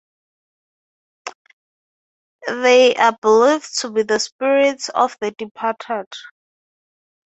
They are believed to be the spirits of the departed.